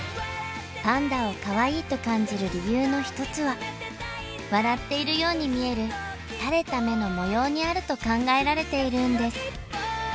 パンダをかわいいと感じる理由の一つは笑っているように見える垂れた目の模様にあると考えられているんです。